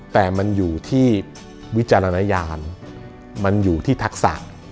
แต่มันอยู่ที่วิจารณญาณมันอยู่ที่ทักษะ